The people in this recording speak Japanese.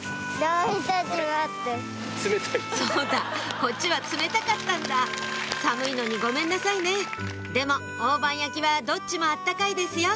そうだこっちは冷たかったんだ寒いのにごめんなさいねでも大判焼きはどっちも温かいですよ